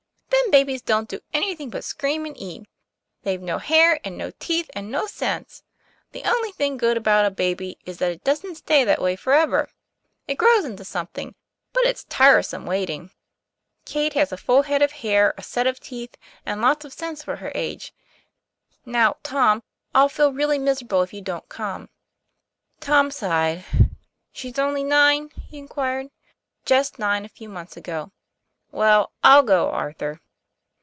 Then babies don't do anything but scream and eat. They've no hair and no teeth and no sense. The only thing good about a baby is that it doesn't stay that way forever. It grows into something: but it's tiresome waiting." " Kate has a full head of hair, a set of teeth, and lots of sense for her age. Now, Tom, I'll feel really miserable if you don't come." Tom sighed. " She's only nine ?' he inquired. Just nine a few months ago." Well, I'll go, Arthur."